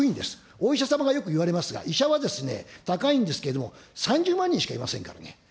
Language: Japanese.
お医者様がよくいわれますが、医者は高いんですけど、３０万人しかいませんからね。